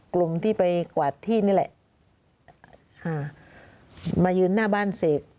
กลุ่มที่ไปกวาดที่นี่แหละค่ะมายืนหน้าบ้านเสร็จ